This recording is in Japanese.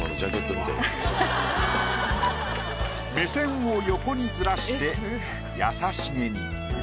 目線を横にずらして優しげに。